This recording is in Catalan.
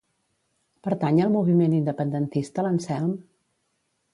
Pertany al moviment independentista l'Anselm?